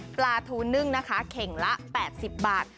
ปลาทูนึ่งนะคะเข่งละ๘๐บาท